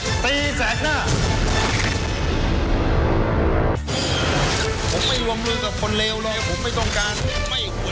ใครพลาดไปแล้วรีบไปแจ้งความละปิดบัญชี